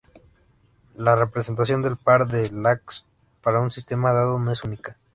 La representación del par de Lax para un sistema dado no es única.